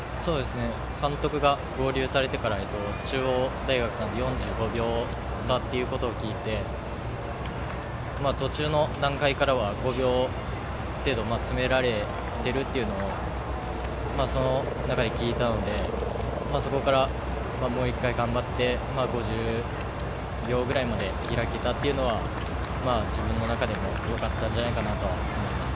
監督が合流されてから中央大学さんの４５秒差っていうことを聞いて途中の段階からは５秒程度詰められているっていうのをその中で聞いたので、そこから、もう１回頑張って、５０秒くらいまで開けたっていうのは自分の中でもよかったんじゃないかと思います。